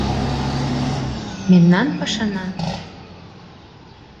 — Мемнан пашана...